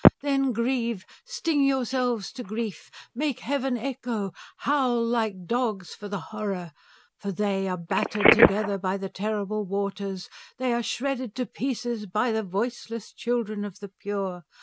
Then grieve, sting yourselves to grief, make heaven echo, howl like dogs for the horror, for they are battered together by the terrible waters, they are shredded to pieces by the voiceless children of the Pure.